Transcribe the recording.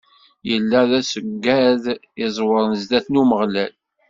Illa d aṣeggad iẓewren zdat n Umeɣlal.